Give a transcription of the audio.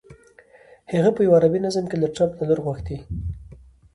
هغه په یوه عربي نظم کې له ټرمپ نه لور غوښتې.